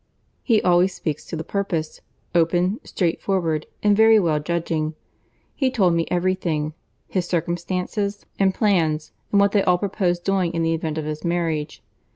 He always speaks to the purpose; open, straightforward, and very well judging. He told me every thing; his circumstances and plans, and what they all proposed doing in the event of his marriage.